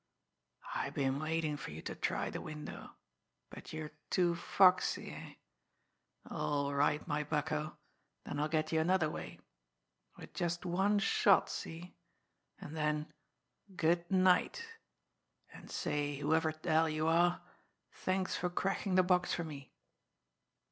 "I been waitin' for you to try the window, but you're too foxy eh? All right, my bucko then I'll get you another way with just one shot, see? And then good night! And say, whoever t'hell you are, thanks for crackin' the box for me!"